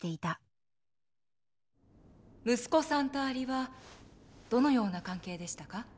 息子さんとアリはどのような関係でしたか？